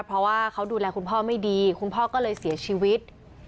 เพราะว่าเขาดูแลคุณพ่อไม่ดีคุณพ่อก็เลยเสียชีวิต